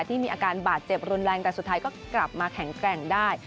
ที่มีอาการบาดเจ็บรุนแรงแต่สุดท้ายก็กลับมาแข็งแกร่งได้